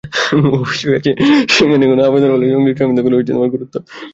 অভিযোগ আছে, সেখানে কোনো আবেদন পড়লে সংশ্লিষ্ট সংস্থাগুলো গুরুত্ব দেয় না।